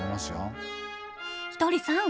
ひとりさん